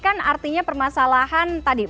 kan artinya permasalahan tadi